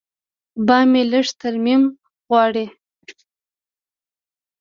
بام مې لږ ترمیم غواړي.